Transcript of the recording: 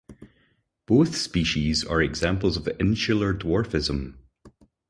Both species are examples of Insular dwarfism.